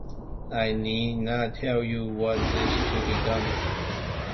I need not tell you what is to be done.